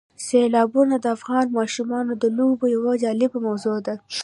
سیلابونه د افغان ماشومانو د لوبو یوه جالبه موضوع ده.